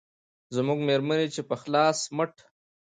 زموږ مېرمنې چې په خلاص مټ